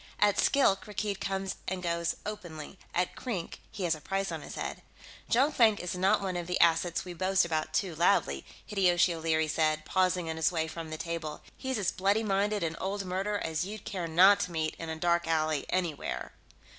At Skilk, Rakkeed comes and goes openly; at Krink he has a price on his head." "Jonkvank is not one of the assets we boast about too loudly," Hideyoshi O'Leary said, pausing on his way from the table. "He's as bloody minded an old murderer as you'd care not to meet in a dark alley anywhere."